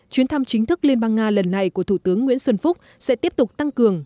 chuyến thăm chính thức liên bang nga lần này của thủ tướng nguyễn xuân phúc sẽ tiếp tục tăng cường